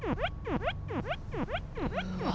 うわ。